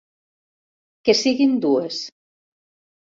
Que siguin dues.